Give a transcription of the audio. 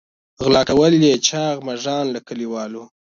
غلا کول یې چاغ مږان له کلیوالو.